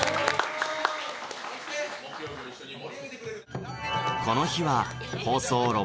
「そして木曜日を一緒に盛り上げてくれる」